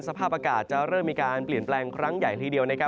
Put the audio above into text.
สภาพอากาศจะเริ่มมีการเปลี่ยนแปลงครั้งใหญ่ทีเดียว